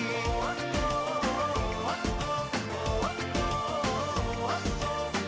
jadi diriku sendiri